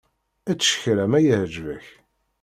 Ečč kra ma iɛǧeb-ak.